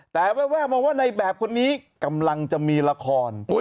แต่แววมาว่าในแบบคนนี้กำลังจะมีละคร